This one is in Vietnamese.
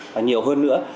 và nhiều hơn nữa